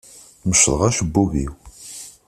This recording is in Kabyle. Mecḍeɣ acebbub-iw.